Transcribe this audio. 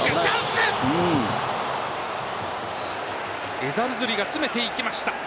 エザルズリが詰めていきました。